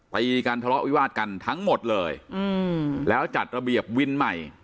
ตีกันทะเลาะวิวาดกันทั้งหมดเลยแล้วจัดระเบียบวินใหม่